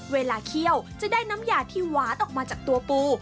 เคี่ยวจะได้น้ำยาที่หวานออกมาจากตัวปู